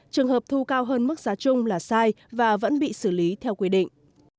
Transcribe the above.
trường hợp thu cao hơn mức giá chung là sai và vẫn bị xử lý theo quy định